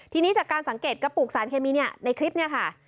ทีนี้จากการสังเกตกระปุกสารเคมีเนี่ยในคลิปนี้ค่ะ